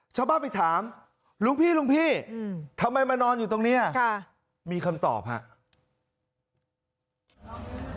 ชาวบ้านไปถามหลวงพี่ลุงพี่ทำไมมานอนอยู่ตรงนี้มีคำตอบครับ